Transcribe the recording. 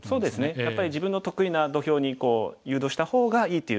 やっぱり自分の得意な土俵に誘導した方がいいっていう